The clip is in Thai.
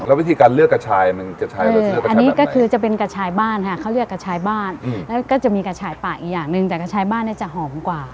แล้ววิธีการเลือกกระชายมันจะใช้อันนี้ก็คือจะเป็นกระชายบ้านค่ะเขาเรียกกระชายบ้านแล้วก็จะมีกระชายป่าอีกอย่างหนึ่งแต่กระชายบ้านเนี่ยจะหอมกว่า